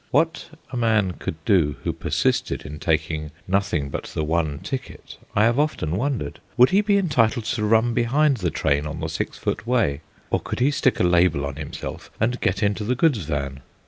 What a man could do who persisted in taking nothing but the one ticket, I have often wondered. Would he be entitled to run behind the train on the six foot way? Or could he stick a label on himself and get into the goods van?